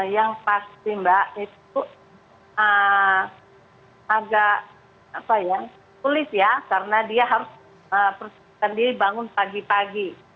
yang pasti mbak itu agak sulit ya karena dia harus persiskan diri bangun pagi pagi